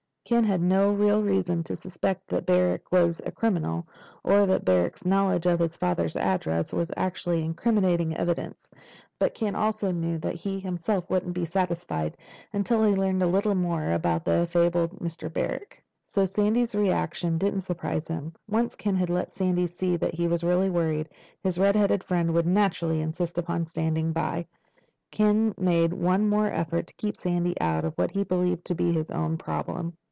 Ken had no real reason to suspect that Barrack was a criminal, or that Barrack's knowledge of his father's address was actually incriminating evidence. But Ken also knew that he himself wouldn't be satisfied until he learned a little more about the affable Mr. Barrack. And Sandy's reaction didn't surprise him. Once Ken had let Sandy see that he was really worried, his red headed friend would naturally insist upon standing by. Ken made one more effort to keep Sandy out of what he believed to be his own problem.